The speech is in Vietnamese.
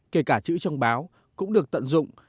kể cả chữ trong báo cũng được tận dụng